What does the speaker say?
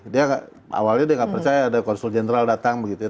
dia awalnya dia nggak percaya ada konsul jenderal datang begitu ya